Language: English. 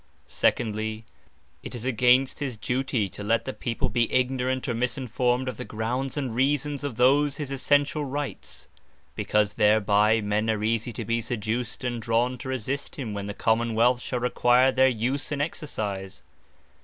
Secondly, it is against his duty, to let the people be ignorant, or mis in formed of the grounds, and reasons of those his essentiall Rights; because thereby men are easie to be seduced, and drawn to resist him, when the Common wealth shall require their use and exercise.